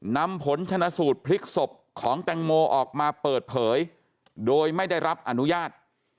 นำผลชนะสูตรพลิกศพของแตงโมออกมาเปิดเผยโดยไม่ได้รับอนุญาต